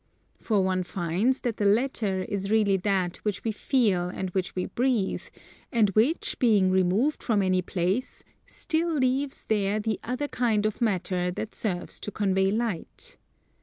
For one finds that the latter is really that which we feel and which we breathe, and which being removed from any place still leaves there the other kind of matter that serves to convey Light.